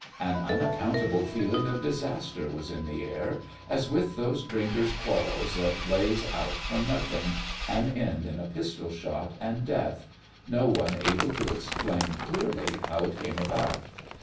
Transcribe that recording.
An unaccountable feeling of disaster was in the air, as with those drinkers' quarrels that blaze out from nothing, and end in a pistol shot and death, no one able to explain clearly how it came about.